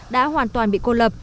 đã hoàn toàn bị cô lập